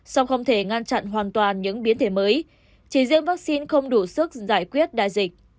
song không thể ngăn chặn hoàn toàn những biến thể mới chỉ riêng vaccine không đủ sức giải quyết đại dịch